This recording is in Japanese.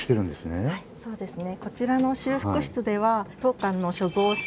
そうですね。